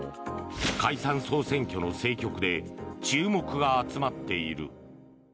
解散・総選挙の政局で注目が集まっている。